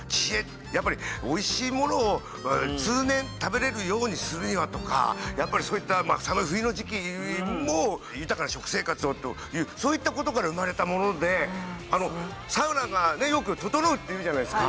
やっぱりおいしいものを通年食べれるようにするにはとかやっぱりそういった寒い冬の時期も豊かな食生活をというそういったことから生まれたものでサウナがねよく「整う」って言うじゃないですか。